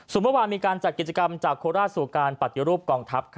ส่วนเมื่อวานมีการจัดกิจกรรมจากโคราชสู่การปฏิรูปกองทัพ